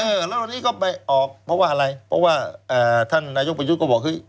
แล้ววันนี้ก็ไปออกเพราะว่าอะไรเพราะว่าท่านนายกประยุทธ์ก็บอกเฮ้ย